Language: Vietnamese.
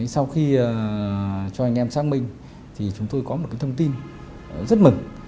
sau khi cho anh em xác minh thì chúng tôi có một thông tin rất mừng